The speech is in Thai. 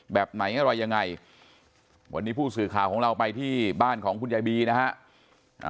แบบไหนอะไรยังไงวันนี้ผู้สื่อข่าวของเราไปที่บ้านของคุณยายบีนะฮะ